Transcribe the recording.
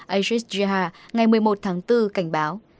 aishish jha ngày một mươi một tháng bốn cảnh báo